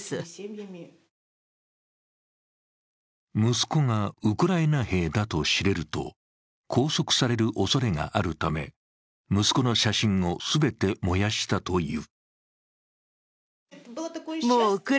息子がウクライナ兵だと知れると拘束されるおそれがあるため、息子の写真を全て燃やしたという。